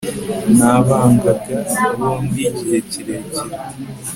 Nabangaga bombi igihe kirekire